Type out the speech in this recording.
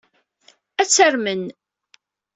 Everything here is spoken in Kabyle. Ad tt-armen.